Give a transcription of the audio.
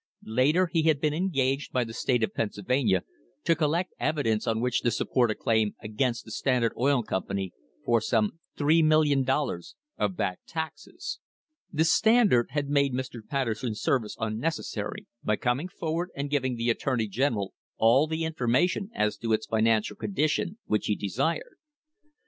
Later he had been engaged by the state of Pennsylvania to collect evidence on which THE HISTORY OF THE STANDARD OIL COMPANY to support a claim against the Standard Oil Company for some $3,000,000 of back taxes. The Standard had made Mr. Patterson's services unnecessary by coming forward and giv ing the attorney general all the information as to its finan cial condition which he desired.